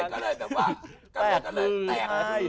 กัดกลันกระเรดะว่า